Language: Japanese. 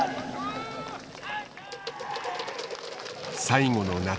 最後の夏。